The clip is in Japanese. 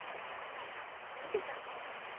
やだ見てたの。